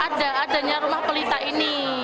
ada adanya rumah pelita ini